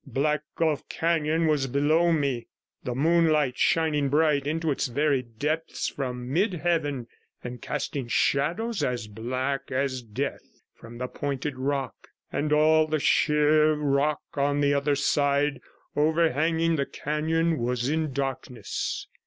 Black Gulf Canon was below me, the moonlight shining bright into its very depths from mid heaven, and casting shadows as black as death from the pointed rock, and all the sheer rock on the other side, overhanging the canon, was in darkness.